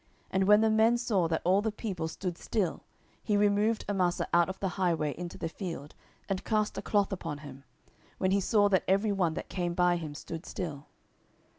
And when the man saw that all the people stood still, he removed Amasa out of the highway into the field, and cast a cloth upon him, when he saw that every one that came by him stood still.